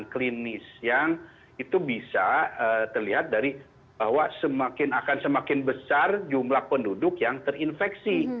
klinis yang itu bisa terlihat dari bahwa semakin akan semakin besar jumlah penduduk yang terinfeksi